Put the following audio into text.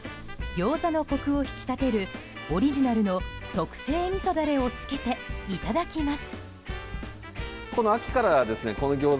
餃子のコクを引き立てるオリジナルの特製みそダレをつけていただきます。